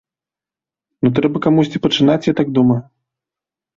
Ну трэба камусьці пачынаць, я так думаю.